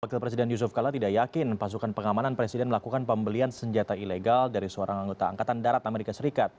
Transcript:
wakil presiden yusuf kala tidak yakin pasukan pengamanan presiden melakukan pembelian senjata ilegal dari seorang anggota angkatan darat amerika serikat